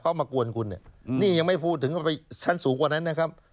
เขามากวนคุณเนี่ยนี่ยังไม่พูดถึงก็ไปชั้นสูงกว่านั้นนะครับ